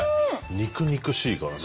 肉々しいからね。